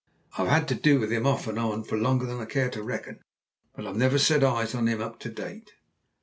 "I've had to do with him off and on for longer than I care to reckon, but I've never set eyes on him up to date."